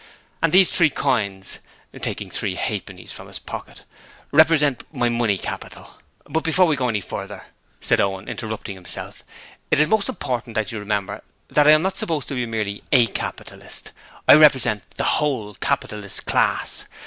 And these three coins' taking three halfpennies from his pocket 'represent my Money Capital.' 'But before we go any further,' said Owen, interrupting himself, 'it is most important that you remember that I am not supposed to be merely "a" capitalist. I represent the whole Capitalist Class.